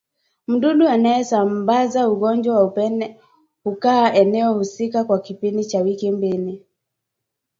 Mdudu anayesambaza ugonjwa wa upele hukaaa eneo husika kwa kipindi cha wiki mbili